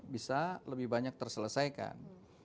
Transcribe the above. bisa lebih banyak terselesaikan